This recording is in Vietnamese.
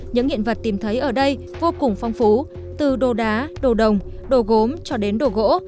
những hiện vật tìm thấy ở đây vô cùng phong phú từ đồ đá đồ đồng đồ gốm cho đến đồ gỗ